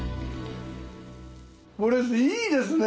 これいいですね。